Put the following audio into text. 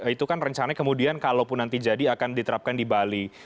itu kan rencana kemudian kalau pun nanti jadi akan diterapkan di bali